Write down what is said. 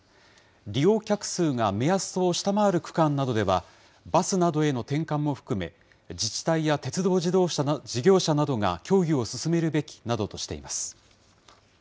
利用客数が目安を下回る区間などでは、バスなどへの転換も含め、自治体や鉄道事業者などが協議を進めるべきなどとしています。